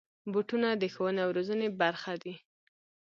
بوټونه د ښوونې او روزنې برخه دي.